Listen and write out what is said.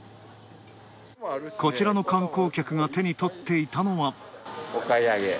こちらの観光客が手に取っていたのは。